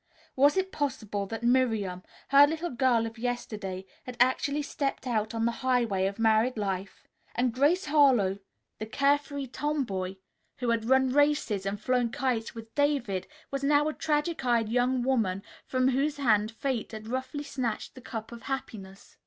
Was it possible that Miriam, her little girl of yesterday, had actually stepped out on the highway of married life? And Grace Harlowe, the care free torn boy who had run races and flown kites with David, was now a tragic eyed young woman from whose hand fate had roughly snatched the cup of happiness.